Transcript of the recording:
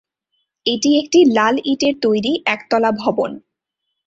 এটি একটি লাল ইটের তৈরী একতলা ভবন।